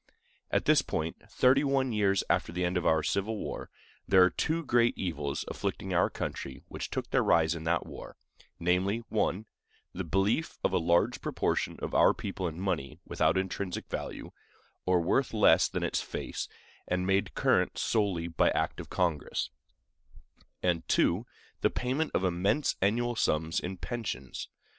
At this moment, thirty one years after the end of our civil war, there are two great evils afflicting our country which took their rise in that war, namely, (1) the belief of a large proportion of our people in money without intrinsic value, or worth less than its face, and made current solely by act of Congress, and (2) the payment of immense annual sums in pensions.